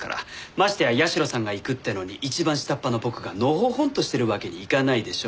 ましてや社さんが行くってのに一番下っ端の僕がのほほんとしてるわけにいかないでしょ。